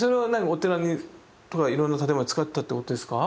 お寺とかいろんな建物に使ってたってことですか？